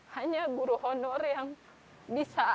hanya guru honor yang bisa